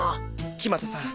木俣さん